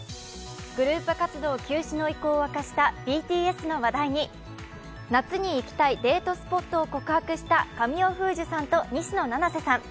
グループ活動休止の意向を明かしたＢＴＳの話題に夏に行きたいデートスポットを告白した神尾楓珠さんと西野七瀬さん。